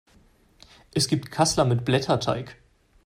Es gibt Kassler mit Blätterteig.